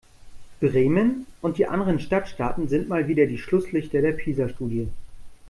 Bremen und die anderen Stadtstaaten sind mal wieder die Schlusslichter der PISA-Studie.